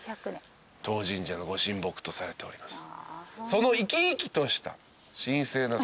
「当神社のご神木とされております」